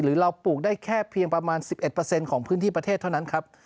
เราปลูกได้แค่เพียงประมาณ๑๑ของพื้นที่ประเทศเท่านั้นครับ